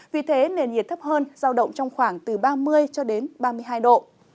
vì thế nền nhiệt thấp hơn giao động trong khoảng từ ba mươi cho đến ba mươi hai độ